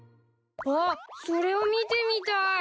あっそれを見てみたい。